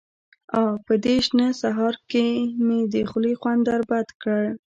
_اه! په دې شنه سهار مې د خولې خوند در بد کړ.